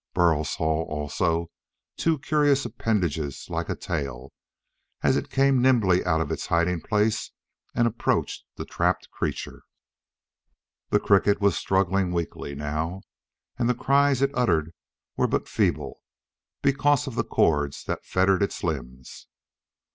Burl saw, also, two curious appendages like a tail, as it came nimbly out of its hiding place and approached the trapped creature. The cricket was struggling weakly, now, and the cries it uttered were but feeble, because of the cords that fettered its limbs.